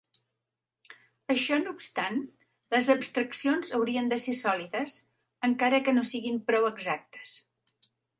Això no obstant, les abstraccions haurien de ser sòlides, encara que no siguin prou exactes.